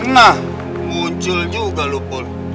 nah muncul juga lupul